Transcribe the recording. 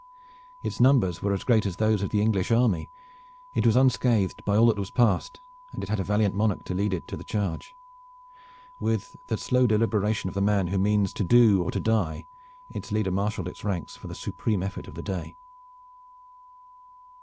Its numbers were as great as those of the English army; it was unscathed by all that was past, and it had a valiant monarch to lead it to the charge. With the slow deliberation of the man who means to do or to die, its leader marshaled its ranks for the supreme effort of the day.